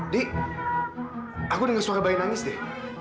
dih aku denger suara bayi nangis deh